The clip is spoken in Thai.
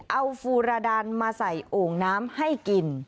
เอาฟูรดันมาใส่โอ่งน้ำให้กิน